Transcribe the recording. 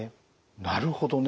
なるほどね。